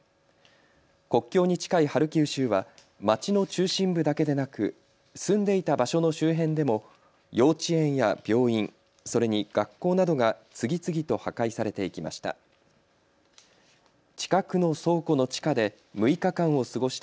国境に近いハルキウ州は町の中心部だけでなく住んでいた場所の周辺でも幼稚園や病院、それに学校などが次々と破壊されていきました。